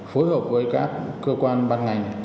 phối hợp với các cơ quan bán ngành